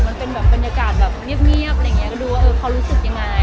มันเป็นแบบบรรยากาศแบบเงียบอะไรอย่างนี้ก็ดูว่าเออเขารู้สึกยังไง